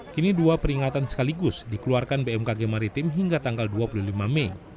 kini dua peringatan sekaligus dikeluarkan bmkg maritim hingga tanggal dua puluh lima mei